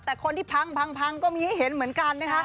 แต่คนที่พังก็มีให้เห็นเหมือนกันนะคะ